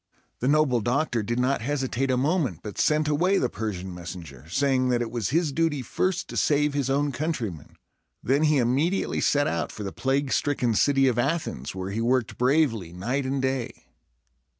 The noble doctor did not hesitate a moment, but sent away the Persian messenger, saying that it was his duty first to save his own countrymen. Then he immediately set out for the plague stricken city of Athens, where he worked bravely night and day.